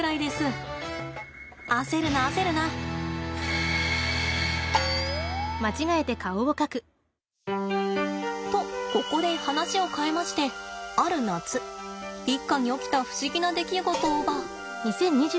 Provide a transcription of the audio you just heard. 焦るな焦るな。とここで話を変えましてある夏一家に起きた不思議な出来事をば。